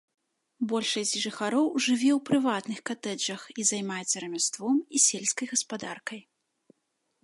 Большасць жыхароў жыве ў прыватных катэджах і займаецца рамяством і сельскай гаспадаркай.